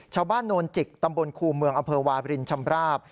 ชาวบ้านนโวนจิกตำบลครูเมืองอพวายบริญชำราบ